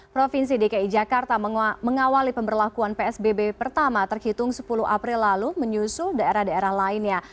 provinsi dki jakarta mengawali pemberlakuan psbb pertama terhitung sepuluh april lalu menyusul daerah daerah lainnya